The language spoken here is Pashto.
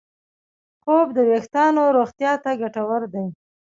خوب د وېښتیانو روغتیا ته ګټور دی.